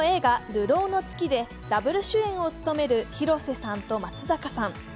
「流浪の月」でダブル主演を務める広瀬さんと松坂さん。